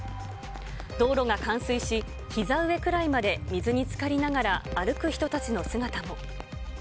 道路が冠水し、ひざ上くらいまで水につかりながら歩く人たちの姿も。